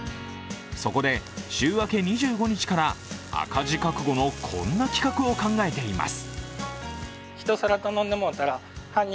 そこで、週明け２５日から赤字覚悟のこんな企画を考えています。